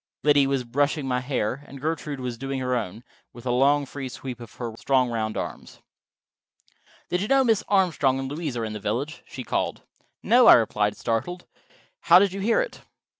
Liddy was brushing my hair, and Gertrude was doing her own, with a long free sweep of her strong round arms. "Did you know Mrs. Armstrong and Louise are in the village?" she called. "No," I replied, startled. "How did you hear it?"